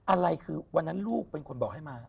อะไรคือวันนั้นลูกเป็นคนบอกให้มา